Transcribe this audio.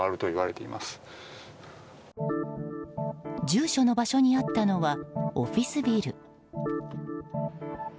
住所の場所にあったのはオフィスビル。